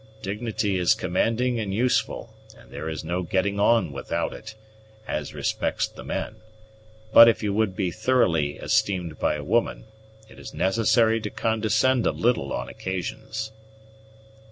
Dignity is commanding and useful, and there is no getting on without it, as respects the men; but if you would be thoroughly esteemed by a woman, it is necessary to condescend a little on occasions."